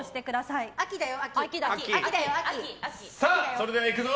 それではいくぞ！